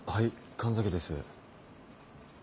神崎です。